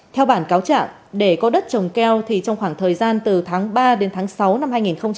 theo bản cáo trạng để có đất trồng keo thì trong khoảng thời gian từ tháng ba đến tháng sáu năm hai nghìn hai mươi